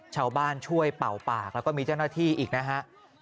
ชาวบ้านช่วยเป่าปากแล้วก็มีเจ้าหน้าที่อีกนะฮะ